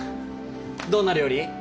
どんな料理？